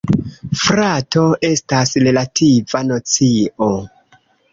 Frato estas relativa nocio.